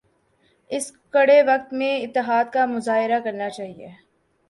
اس کڑے وقت میں اتحاد کا مظاہرہ کرنا چاہئے